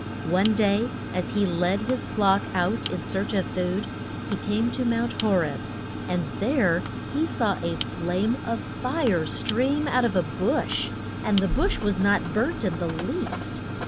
One day as he led his flock out in search of food he came to Mount Ho reb, and there he saw a flame of fire stream out of a bush, and the bush was not burnt in the least.